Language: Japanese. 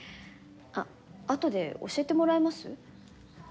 あっ後で教えてもらえます？